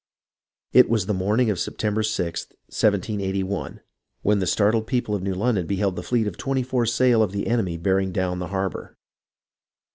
It was the morning of September 6th, 1781, when the startled people of New London beheld the fleet of twenty four sail of the enemy bearing down the harbour.